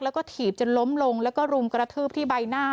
แล้วก็ถีบจนล้มลงแล้วก็รุมกระทืบที่ใบหน้า